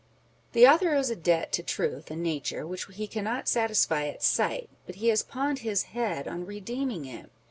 The author owes a debt to truth and nature which he cannot satisfy at sight, but he has pawned his head on redeeming it.